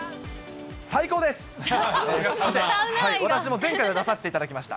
私も前回出させていただきました。